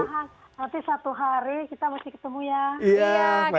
nanti satu hari kita mesti ketemu ya